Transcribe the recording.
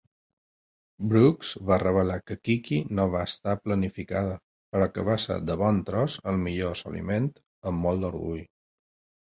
Brooks va revelar que Kiki no va estar planificada, però que va ser "de bon tros el millor assoliment, amb molt d'orgull".